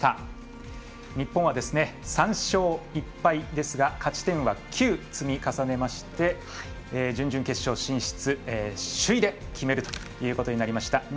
日本は３勝１敗ですが勝ち点は９、積み重ねまして準々決勝進出、首位で決めるということになりました。